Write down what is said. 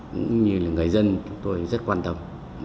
cũng như là người dân chúng tôi rất quan tâm